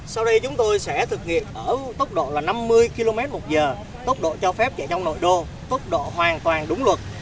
sau đây chúng tôi sẽ thực hiện ở tốc độ là năm mươi km một giờ tốc độ cho phép chạy trong nội đô tốc độ hoàn toàn đúng luật